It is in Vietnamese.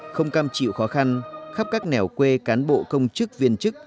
không cam chịu khó khăn khắp các nẻo quê cán bộ công chức viên chức